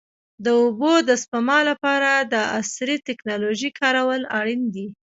د اوبو د سپما لپاره عصري ټکنالوژي کارول اړین دي.